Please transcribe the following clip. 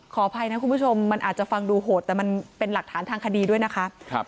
ขออภัยนะคุณผู้ชมมันอาจจะฟังดูโหดแต่มันเป็นหลักฐานทางคดีด้วยนะคะ